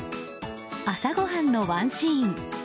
朝ごはんのワンシーン。